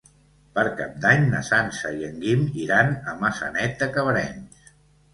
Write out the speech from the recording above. Per Cap d'Any na Sança i en Guim iran a Maçanet de Cabrenys.